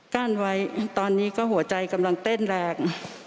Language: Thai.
กั้นไว้ตอนนี้ก็หัวใจกำลังเต้นแรง